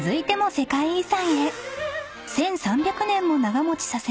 ［世界遺産］